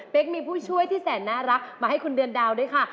เป็นมีผู้ช่วยที่แสนน่ารักมาให้คุณเดือนดาวด้วยค่ะ